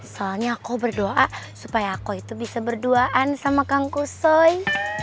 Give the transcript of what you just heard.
soalnya aku berdoa supaya aku itu bisa berdoaan sama kang kusoy